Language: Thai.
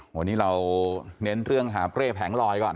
วันนี้เราเน้นเรื่องหาเปร่แผงลอยก่อน